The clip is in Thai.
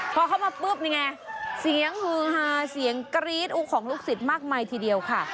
พอเข้ามาปุ๊บนี่ไงเสียงฮือฮาเสียงกรี๊ดของลูกศิษย์มากมายทีเดียวค่ะ